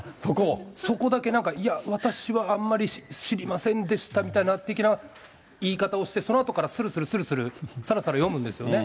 そこだけなんか、いや、私はあんまり知りませんでしたみたいな、適当な言い方をして、そのあとから、するするするする、さらさら読むんですよね。